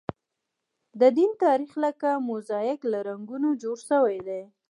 د دین تاریخ لکه موزاییک له رنګونو جوړ شوی دی.